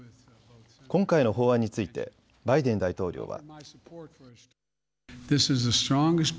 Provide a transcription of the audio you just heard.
今回の法案についてバイデン大統領は。